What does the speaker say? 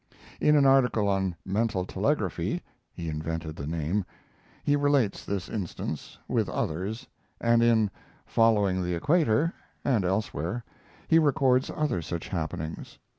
In an article on "Mental Telegraphy" (he invented the name) he relates this instance, with others, and in 'Following the Equator' and elsewhere he records other such happenings.